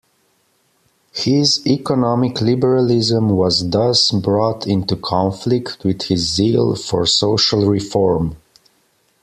His economic liberalism was thus brought into conflict with his zeal for social reform.